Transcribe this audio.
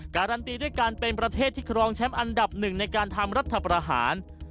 การันตีด้วยการเป็นประเทศที่ครองแชมป์อันดับหนึ่งในการทำรัฐประหาร